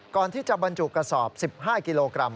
ก่อนที่จะบรรจุกระสอบ๑๕กิโลกรัม